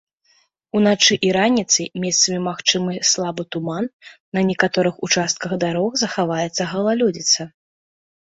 Уначы і раніцай месцамі магчымы слабы туман, на некаторых участках дарог захаваецца галалёдзіца.